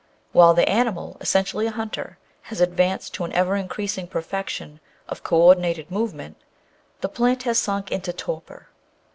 While the animal, essentially a hunter, has advanced to an ever increas ing perfection of co ordinated movement, the plant has sunk into torpor.